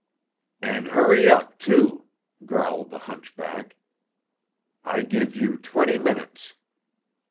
"And hurry up, too," growled the hunchback. "I give you twenty minutes."